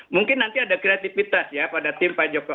mungkin nanti ada kreatifitas ya pada tim pak joko